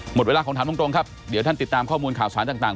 หมดเวลาของถามตรงครับเดี๋ยวท่านติดตามข้อมูลข่าวสารต่าง